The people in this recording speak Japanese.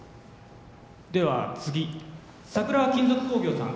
では次桜金属工業さん